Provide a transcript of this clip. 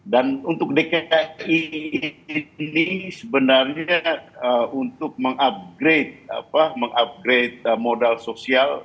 dan untuk dki ini sebenarnya untuk mengupgrade modal sosial